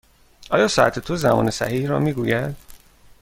آیا ساعت تو زمان صحیح را می گوید؟